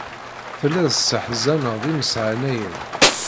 Telliḍ tesseḥzaneḍ imeshanayen.